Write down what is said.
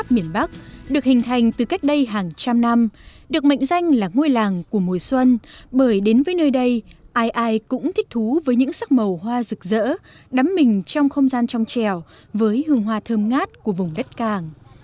miền bắc được hình thành từ cách đây hàng trăm năm được mệnh danh là ngôi làng của mùa xuân bởi đến với nơi đây ai ai cũng thích thú với những sắc màu hoa rực rỡ đắm mình trong không gian trong trèo với hương hoa thơm ngát của vùng đất cảng